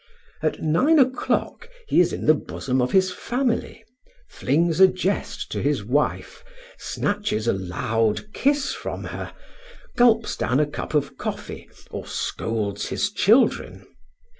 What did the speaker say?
At nine o'clock he is in the bosom of his family, flings a jest to his wife, snatches a loud kiss from her, gulps down a cup of coffee, or scolds his children.